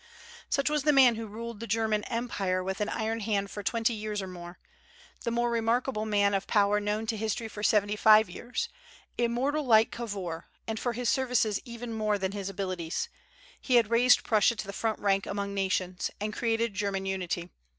Such was the man who ruled the German empire with an iron hand for twenty years or more, the most remarkable man of power known to history for seventy five years; immortal like Cavour, and for his services even more than his abilities. He had raised Prussia to the front rank among nations, and created German unity.